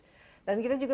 jadi kita harus